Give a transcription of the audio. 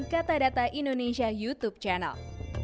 katadata indonesia youtube channel